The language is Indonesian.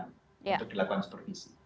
untuk dilakukan supervisi